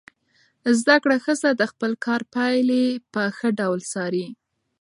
زده کړه ښځه د خپل کار پایلې په ښه ډول څاري.